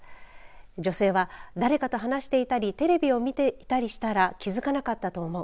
女性は誰かと話していたりテレビを見ていたりしたら気づかなかったと思う。